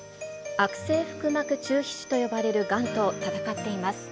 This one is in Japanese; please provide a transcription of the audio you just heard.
悪性腹膜中皮腫と呼ばれるがんと闘っています。